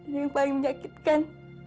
dan yang paling menyakitkan